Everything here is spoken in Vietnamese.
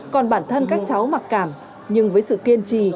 còn bản thân các cháu mặc cảm nhưng với sự kiên trì